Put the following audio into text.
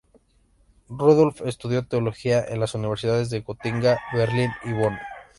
Rudolf estudió Teología en las universidades de Gotinga, Berlín y Bonn.